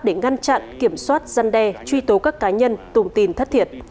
để ngăn chặn kiểm soát giăn đe truy tố các cá nhân tông tin thất thiệt